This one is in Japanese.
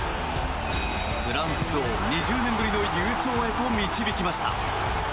フランスを２０年ぶりの優勝へと導きました。